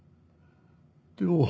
でも。